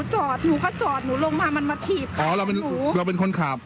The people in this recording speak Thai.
อ๋อหนูเราเป็นคนขับ